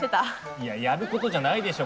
いやいややることじゃないでしょ